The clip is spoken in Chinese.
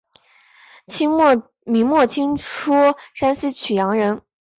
明末清初山西阳曲人。